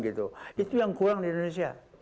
itu yang kurang di indonesia